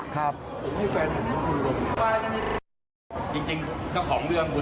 ผมปกติได้นำนัมละที่๘